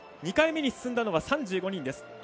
２回目に進んだのは３５人です。